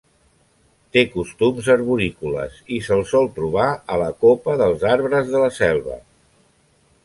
Té costums arborícoles i se'l sol trobar a la copa dels arbres de la selva.